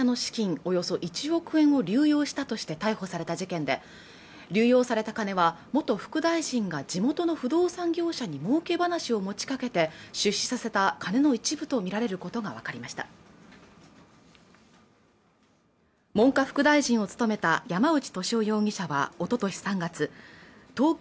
およそ１億円を流用したとして逮捕された事件で流用された金は元副大臣が地元の不動産業者に儲け話を持ちかけて出資させた金の一部と見られることが分かりました文科副大臣を務めた山内俊夫容疑者はおととし３月東京